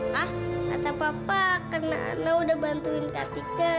kata papa karena ana udah bantuin kak tika